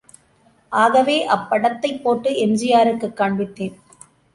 ஆகவே அப்படத்தைப் போட்டு எம்.ஜி.ஆருக்குக் காண்பித்தேன்.